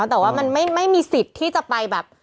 แต่ว่ามันไม่มีสิทธิ์ที่จะไปแบบ